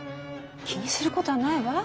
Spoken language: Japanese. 気にすることはないわ。